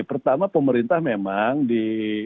pertama pemerintah memang di